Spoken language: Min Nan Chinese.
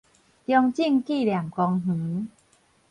中正紀念公園